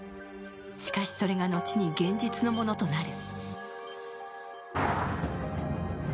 しかし、それが後に現実のものとなる。